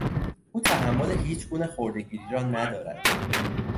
او تحمل هیچگونه خرده گیری را ندارد.